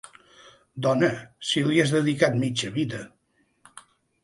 Dona, si li has dedicat mitja vida.